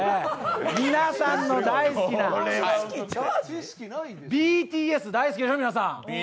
皆さん、大好きなＢＴＳ、大好きでしょ。